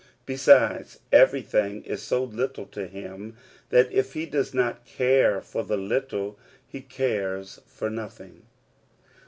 Besides, everything ij so little to him, that, if he does not care for the little, he cares for nothing.